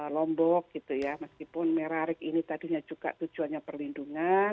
lombok gitu ya meskipun merahik ini tadinya juga tujuannya perlindungan